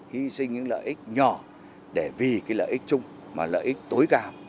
hy sinh những lợi ích nhỏ để vì lợi ích chung mà lợi ích tối càng